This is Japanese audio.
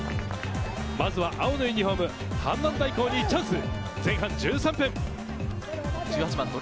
まずは青のユニホーム、阪南大高にチャンス、前半１３分。